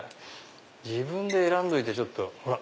自分で選んどいてちょっとほら！